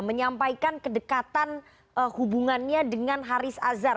menyampaikan kedekatan hubungannya dengan haris azhar